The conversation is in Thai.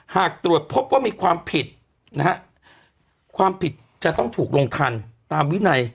หากตรวจพบว่ามีความผิดนะฮะความผิดจะต้องถูกลงทันตามวินัย